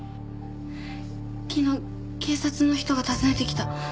昨日警察の人が訪ねてきた。